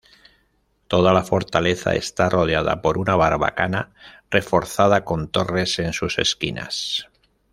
Toda la fortaleza está rodeada por una barbacana reforzada con torres en sus esquinas.